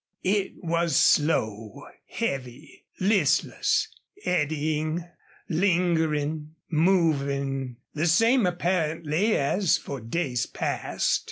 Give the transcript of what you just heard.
It was slow, heavy, listless, eddying, lingering, moving the same apparently as for days past.